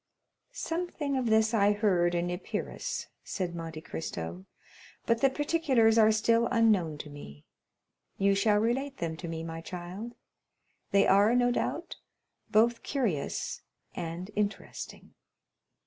"Something of this I heard in Epirus," said Monte Cristo; "but the particulars are still unknown to me. You shall relate them to me, my child. They are, no doubt, both curious and interesting."